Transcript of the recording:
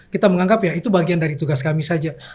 kita menganggap ya itu bagian dari tugas kami saja